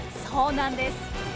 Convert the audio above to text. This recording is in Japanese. そうなんです。